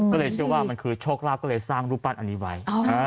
ก็เลยเชื่อว่ามันคือโชคลาภก็เลยสร้างรูปปั้นอันนี้ไว้